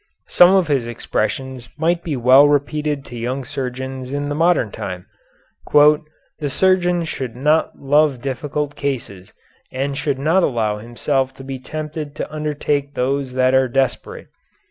Some of his expressions might well be repeated to young surgeons in the modern time. "The surgeon should not love difficult cases and should not allow himself to be tempted to undertake those that are desperate.